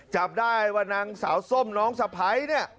จับได้ว่านางสาวส้มน้องสะพ้ายเนี่ย